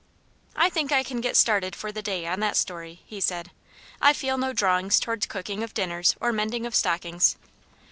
" I think I can get started for the day on that story," he said. " I feel no drawings toward cooking of dinners or mending of stockings.